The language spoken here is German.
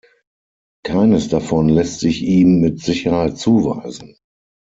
Keines davon lässt sich ihm mit Sicherheit zuweisen.